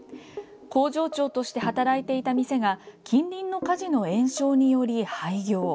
工場長として働いていた店が近隣の火事の延焼により廃業。